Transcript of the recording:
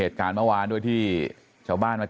ไปรับศพของเนมมาตั้งบำเพ็ญกุศลที่วัดสิงคูยางอเภอโคกสำโรงนะครับ